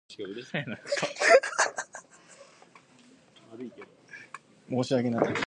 Carleton is at a significant railroad crossing and junction.